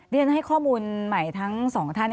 เรียนให้ข้อมูลใหม่ทั้งสองท่าน